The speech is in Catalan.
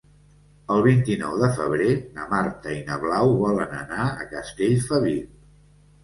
El vint-i-nou de febrer na Marta i na Blau volen anar a Castellfabib.